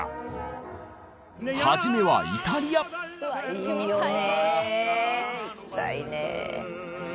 いいよね。